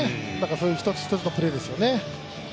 そういう一つ一つのプレーですよね。